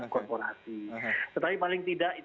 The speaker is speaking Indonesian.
korporasi tetapi paling tidak